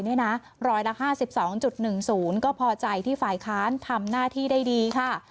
ร้อยละ๕๒๑๐ก็พอใจที่ฝ่ายค้านทำหน้าที่ได้ดีค่ะ